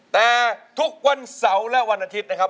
แต่ทุกวันเสาร์และวันอาทิตย์นะครับ